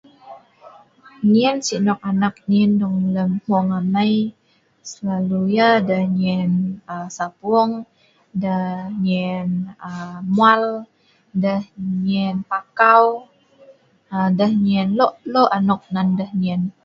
Nyen si nok anak nyen dong lem hmung amai, selalu yah deh nyen sapung, deh nyen mwal, deh nyen pakau, deh nyen lok-lok anok nan deh nyen